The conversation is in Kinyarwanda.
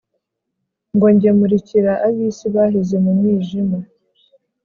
Ngo njye murikira ab'isi Baheze mu mwijima.